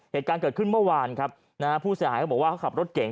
เหตุการณ์เกิดขึ้นเมื่อวานครับนะฮะผู้เสียหายเขาบอกว่าเขาขับรถเก่ง